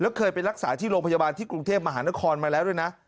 แล้วเคยไปรักษาที่โรงพยาบาลที่กรุงเทพมหานครมาแล้วด้วยนะ